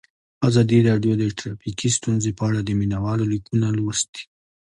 ازادي راډیو د ټرافیکي ستونزې په اړه د مینه والو لیکونه لوستي.